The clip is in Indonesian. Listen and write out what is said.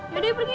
ya udah ya pergi